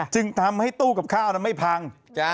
จึงทำให้ตู้กับข้าวไม่พัง